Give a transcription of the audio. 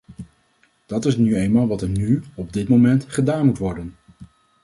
Dat is nu eenmaal wat er nu, op dit moment, gedaan moet worden.